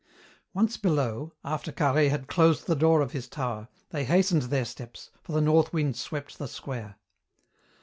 Once below, after Carhaix had closed the door of his tower, they hastened their steps, for the north wind swept the square.